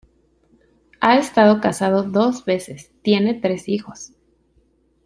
Ha estado casado dos veces, tiene tres hijos.